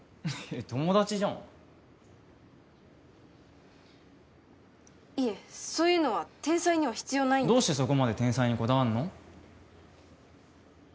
友達じゃんいえそういうのは天才には必要ないんでどうしてそこまで天才にこだわるの？